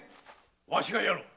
わしがやろう。